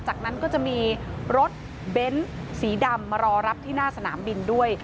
จากนั้นก็จะมีรถเบ้นสีดำมารอรับที่หน้าสนามบินด้วย